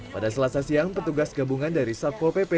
pada selasa siang petugas gabungan dari satpol pp